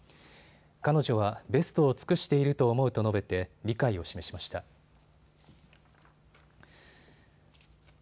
彼女はベストを尽くしていると思うと述べて理解を示しました。